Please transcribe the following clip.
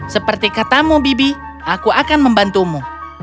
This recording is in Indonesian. seperti katamu bibi aku akan membantumu